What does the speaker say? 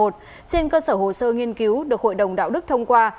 trên cơ sở hồ sơ nghiên cứu được hội đồng đạo đức thông qua